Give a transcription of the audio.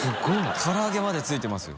唐揚げまで付いてますよ。